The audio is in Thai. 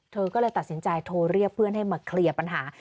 เธอก็เลยตัดสินใจโทรเรียกเพื่อนให้มาเคลียร์ปัญหา